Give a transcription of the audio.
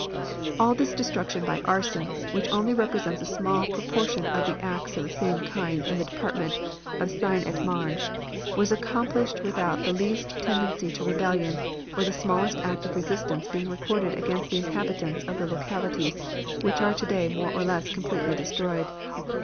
"All this destruction by arson, which only represents a small proportion of the acts of the same kind in the Department of Seine et Marne, was accomplished without the least tendency to rebellion or the smallest act of resistance being recorded against the inhabitants of the localities which are today more or less completely destroyed.